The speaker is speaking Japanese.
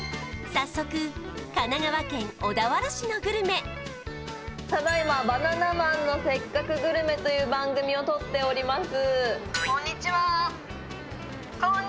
早速神奈川県小田原市のグルメただいま「バナナマンのせっかくグルメ！！」という番組を撮っております